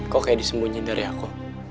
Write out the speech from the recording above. kok kayak disembunyi dari aku